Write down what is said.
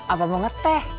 apa mau ngeteh